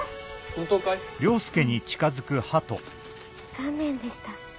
残念でした。